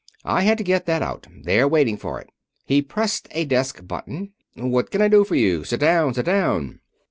"I had to get that out. They're waiting for it." He pressed a desk button. "What can I do for you? Sit down, sit down."